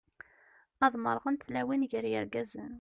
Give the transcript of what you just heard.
Ad merrɣent tlawin gar yirgazen.